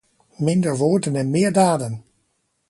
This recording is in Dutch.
Minder woorden en meer daden!